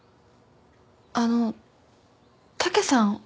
あの武さん